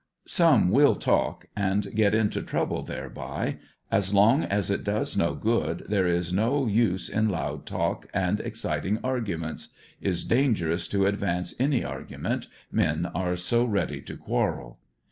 Some will talk and get into trouble thereby; as long as it does no good there is no use in loud talk and exciting arguments; is dangerous to advance any ar gument, men are so ready to quarrel.